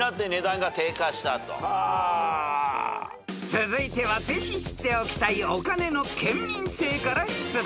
［続いてはぜひ知っておきたいお金の県民性から出題］